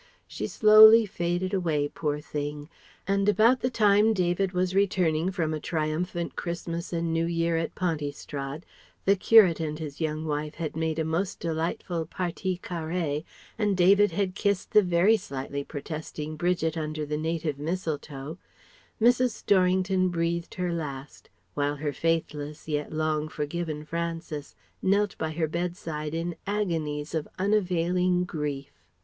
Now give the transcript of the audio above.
She slowly faded away, poor thing; and about the time David was returning from a triumphant Christmas and New Year at Pontystrad the Curate and his young wife had made a most delightful partie carrée and David had kissed the very slightly protesting Bridget under the native mistletoe Mrs. Storrington breathed her last, while her faithless yet long forgiven Francis knelt by her bedside in agonies of unavailing grief.